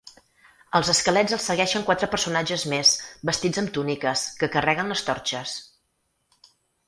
Als esquelets els segueixen quatre personatges més, vestits amb túniques, que carreguen les torxes.